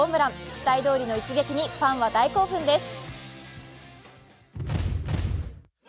期待どおりの一撃にファンは大興奮です。